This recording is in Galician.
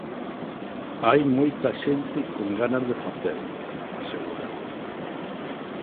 "Hai moita xente con ganas de facelo", asegura.